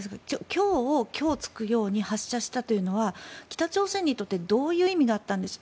今日、虚を突くように発射したということは北朝鮮にとって、どういう意味があったんでしょう。